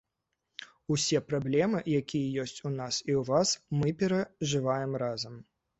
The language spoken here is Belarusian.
Усе праблемы, якія ёсць у нас і ў вас, мы перажываем разам.